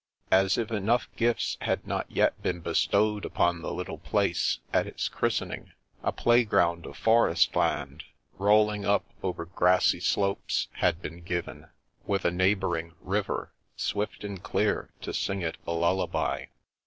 As if enough gifts had not yet been bestowed upon the little place at its christening, a playground of forest land, rolling up over grassy slopes, had been given, with a neighbouring river, swift and clear, to sing it a lullaby.